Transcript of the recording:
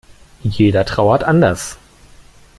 Jeder trauert anders.